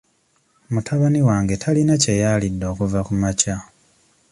Mutabani wange talina kye yaalidde okuva kumakya.